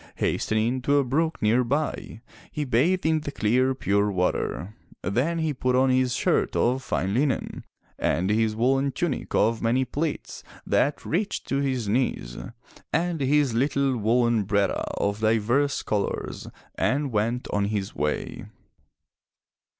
Hastening to a brook nearby, he bathed in the clear pure water, then he put on his shirt of fine linen, and his woolen tunic of many pleats that reached to his knees, and his little woolen bratta of divers colors and went on his way.